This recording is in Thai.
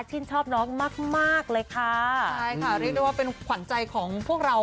ชื่นชอบน้องมากมากเลยค่ะใช่ค่ะเรียกได้ว่าเป็นขวัญใจของพวกเรา